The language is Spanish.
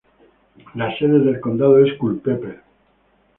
La sede de condado es Culpeper.